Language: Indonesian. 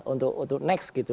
untuk next gitu